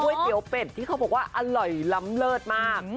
บุ๋ยเตี๋ยวเป็ดที่เขาบอกว่าอร่อยลำแรดมาก